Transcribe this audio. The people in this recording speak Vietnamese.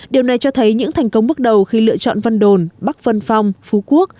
điều này cho thấy những thành công bước đầu khi lựa chọn vân đồn bắc vân phong phú quốc